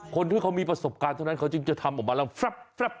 คนที่เขามีประสบการณ์เท่านั้นเขาจึงจะทำออกมาแล้วแฟบ